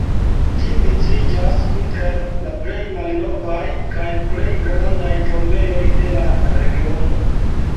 Ĝi viciĝas inter la plej malnovaj kaj plej grandaj tombejoj de la regiono.